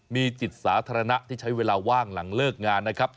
มีจิตสาธารณะที่ใช้เวลาว่างหลังเลิกงานนะครับ